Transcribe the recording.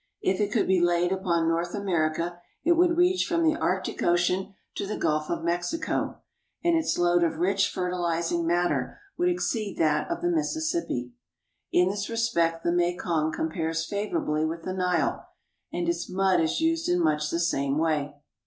If it could be laid upon North America, it would reach from the Arctic Ocean to the Gulf of Mexico, and its load of rich fertilizing matter would exceed that of the Mississippi. In this respect the Me kong compares favorably with the Nile, and its mud is used in much the same way.